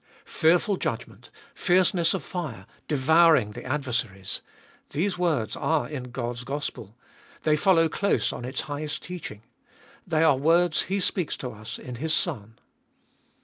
Fearful judgment, fierceness of fire, devouring the adversaries, — these words are in God's gospel ; they follow close on its highest teaching ; they are words He speaks to us in His Son.